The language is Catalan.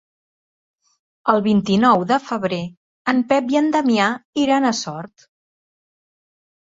El vint-i-nou de febrer en Pep i en Damià iran a Sort.